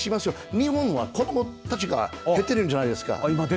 日本は子どもたちが減ってるじゃないですか。